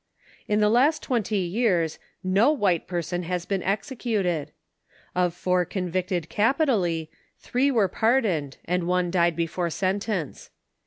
In the last twenty years, no white person has been executed. Of four convicted capitally, three were pardoned, and one died before sentence.